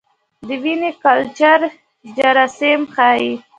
د وینې کلچر جراثیم ښيي.